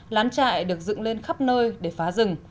lán trại được dựng lên khắp nơi để phá rừng